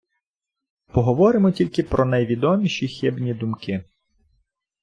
Поговоримо тільки про найвідоміші хибні думки.